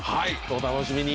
お楽しみに。